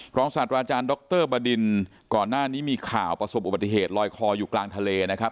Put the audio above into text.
ศาสตราอาจารย์ดรบดินก่อนหน้านี้มีข่าวประสบอุบัติเหตุลอยคออยู่กลางทะเลนะครับ